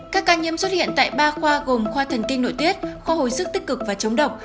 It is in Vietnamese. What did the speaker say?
các ca nhiễm xuất hiện tại ba khoa gồm khoa thần kinh nội tiết khoa hồi sức tích cực và chống độc